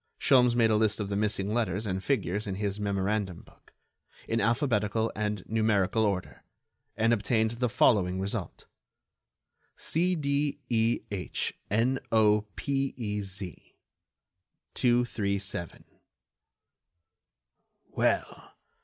Sholmes made a list of the missing letters and figures in his memorandum book, in alphabetical and numerical order, and obtained the following result: CDEHNOPEZ—237. "Well?